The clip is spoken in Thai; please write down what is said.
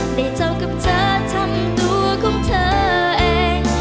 ได้เท่ากับเธอทำตัวของเธอเอง